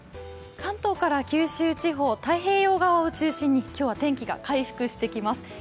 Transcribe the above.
関東から九州地方、太平洋側を中心に今日は天気が回復してきます。